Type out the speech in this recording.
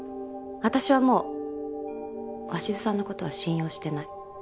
私はもう鷲津さんのことは信用してない。